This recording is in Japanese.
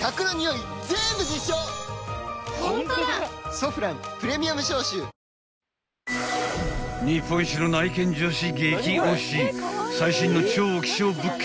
「ソフランプレミアム消臭」［日本一の内見女子激推し最新の超希少物件